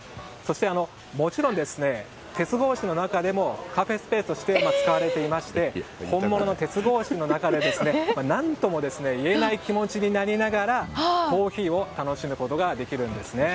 そして、もちろん鉄格子の中でもカフェスペースとして使われていまして本物の鉄格子の中で何とも言えない気持ちになりながらコーヒーを楽しむことができるんですね。